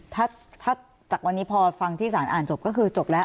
ถ้าจากวันนี้พอฟังที่สารอ่านจบก็คือจบแล้ว